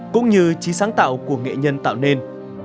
cũng như trí sáng tạo của nghệ nhân tạo nên